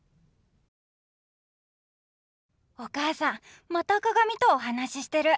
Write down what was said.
お母さん、また鏡とお話ししてる。